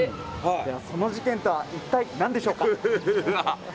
その事件とは一体何でしょうか？